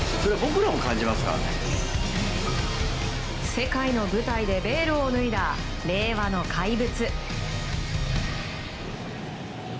世界の舞台でベールを脱いだ令和の怪物。